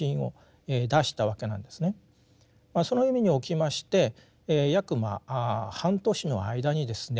その意味におきまして約半年の間にですね